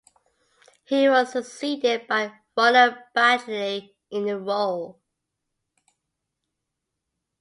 He was succeeded by Ronald Baddiley in the role.